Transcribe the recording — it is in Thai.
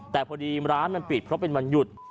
แต่พอดีร้านมันปิดเพราะเป็นวันหยุด